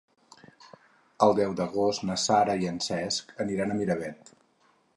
El deu d'agost na Sara i en Cesc aniran a Miravet.